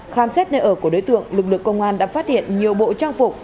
khám xét nơi ở của đối tượng lực lượng công an đã phát hiện nhiều bộ trang phục